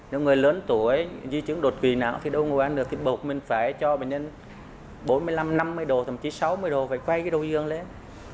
nếu người lớn tuổi dư chứng đột quỳ nào thì đâu ngồi ăn được thì bột mình phải cho bệnh nhân bốn mươi năm năm mươi độ thậm chí sáu mươi độ phải quay cái đầu dương lên